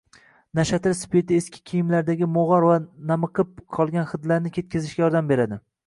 Nashatir spirti eski kiyimlardagi mog‘or va namiqib qolgan hidlarni ketkazishga yordam beradi